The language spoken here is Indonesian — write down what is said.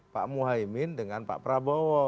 pak muhaymin dengan pak prabowo